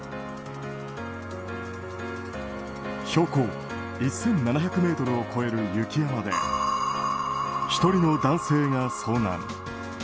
標高１７００ｍを超える雪山で１人の男性が遭難。